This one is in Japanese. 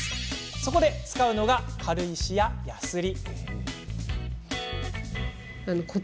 そこで使うのが軽石や、やすり。